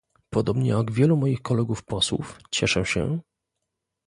Podobnie jak wielu moich kolegów posłów, cieszę się